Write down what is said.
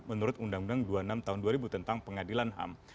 menurut undang undang dua puluh enam tahun dua ribu tentang pengadilan ham